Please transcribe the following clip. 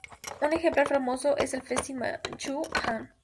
Un ejemplo famoso es el Festín Manchú-Han.